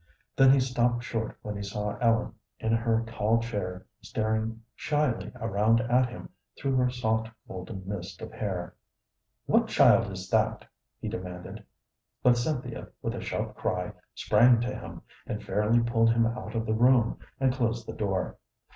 Then he stopped short when he saw Ellen in her tall chair staring shyly around at him through her soft golden mist of hair. "What child is that?" he demanded; but Cynthia with a sharp cry sprang to him, and fairly pulled him out of the room, and closed the door.